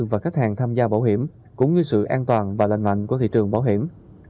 và khách hàng tham gia bảo hiểm cũng như sự an toàn và lành mạnh của thị trường bảo hiểm